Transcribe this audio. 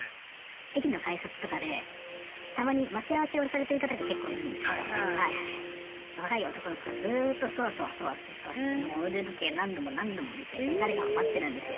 駅の改札とかでたまに待ち合わせをされてる方がけっこういるんですけど若い男の子がずっとそわそわそわそわしてもう腕時計何度も何度も見て誰かを待ってるんですよ。